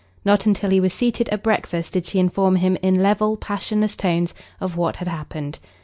Not until he was seated at breakfast did she inform him in level, passionless tones of what had happened.